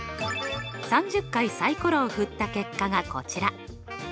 ３０回サイコロを振った結果がこちら。